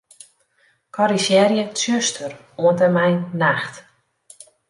Korrizjearje 'tsjuster' oant en mei 'nacht'.